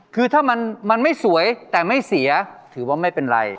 คือถ้ามันไม่สวยแต่ไม่เสียถือว่าไม่เป็นไร